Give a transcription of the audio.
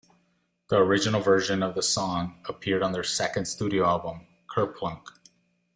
The original version of the song appeared on their second studio album, "Kerplunk".